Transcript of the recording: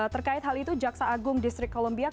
terkait hal itu jaksa agung distrik columbia